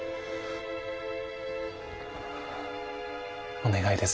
お願いです。